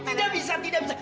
tidak bisa tidak bisa